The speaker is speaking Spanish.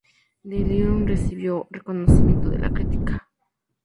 Delirium recibió reconocimiento de la crítica.